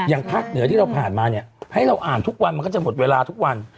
ภาคเหนือที่เราผ่านมาเนี่ยให้เราอ่านทุกวันมันก็จะหมดเวลาทุกวัน